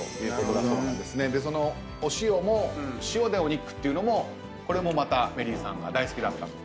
そのお塩も塩でお肉っていうのもこれもまたメリーさんが大好きだったと。